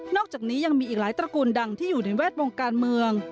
อกจากนี้ยังมีอีกหลายตระกูลดังที่อยู่ในแวดวงการเมือง